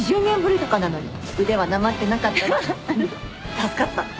助かった。